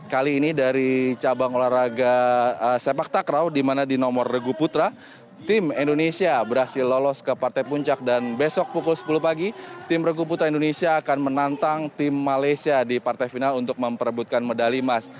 kali ini dari cabang olahraga sepak takraw dimana di nomor regu putra tim indonesia berhasil lolos ke partai puncak dan besok pukul sepuluh pagi tim regu putra indonesia akan menantang tim malaysia di partai final untuk memperebutkan medali emas